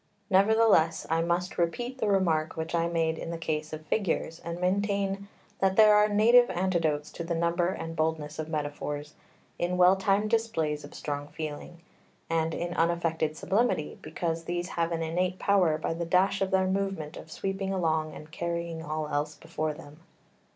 Nevertheless I must repeat the remark which I made in the case of figures, and maintain that there are native antidotes to the number and boldness of metaphors, in well timed displays of strong feeling, and in unaffected sublimity, because these have an innate power by the dash of their movement of sweeping along and carrying all else before them.